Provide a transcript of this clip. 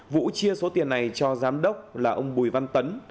vũ chia số tiền này cho giám đốc là ông bùi văn tấn